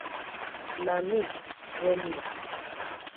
na Mitt Romney